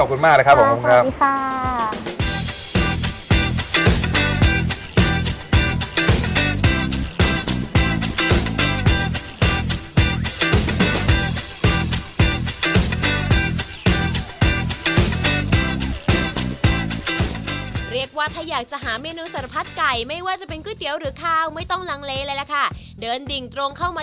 วันนี้ขอบคุณมากค่ะขอบคุณค่ะ